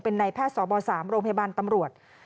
ในแพทย์สบ๓โรงพยาบาลตำรวจ